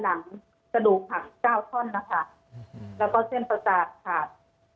อันดับที่สุดท้าย